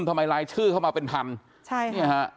ทำไมรายชื่อเข้ามาเป็นทำ